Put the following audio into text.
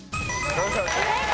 正解。